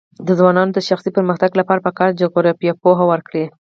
د ځوانانو د شخصي پرمختګ لپاره پکار ده چې جغرافیه پوهه ورکړي.